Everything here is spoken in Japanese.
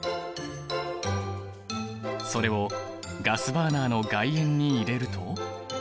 それをガスバーナーの外炎に入れると。